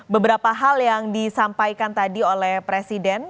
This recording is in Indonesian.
beberapa hal yang disampaikan tadi oleh presiden